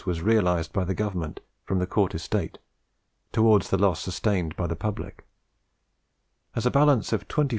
was realised by the Government from the Cort estate towards the loss sustained by the public, as a balance of 24,846L.